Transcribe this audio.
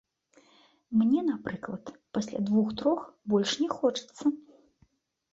Мне, напрыклад, пасля двух-трох больш не хочацца.